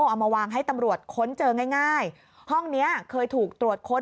เอามาวางให้ตำรวจค้นเจอง่ายง่ายห้องเนี้ยเคยถูกตรวจค้น